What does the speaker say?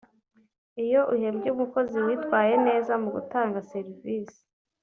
Iyo uhembye umukozi witwaye neza mu gutanga serivise